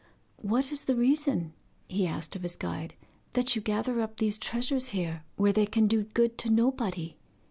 'What is the reason,' he asked of his guide, 'that you gather up these treasures here, where they can do good to nobody?